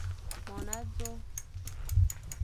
Mon azo.